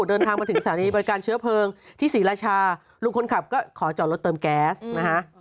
เดินทางมาถึงสถานีบริการเชื้อเพลิงที่ศรีราชาลุงคนขับก็ขอจอดรถเติมแก๊สนะฮะ